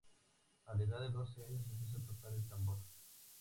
A la edad de doce años empieza a tocar el tambor.